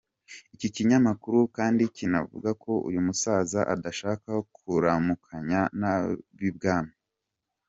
Iki kinyamakuru kandi kinavuga ko uyu musaza adashaka kuramukanya n’ab’ibwami.